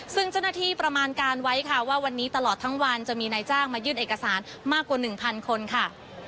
ซึ่งเจ้าหน้าที่ประมาณการไว้ค่ะว่าวันนี้ตลอดทั้งวันจะมีนายจ้างมายื่นเอกสารมากกว่า๑๐๐คนค่ะ